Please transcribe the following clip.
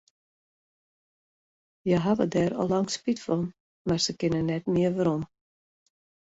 Hja hawwe dêr al lang spyt fan, mar se kinne net mear werom.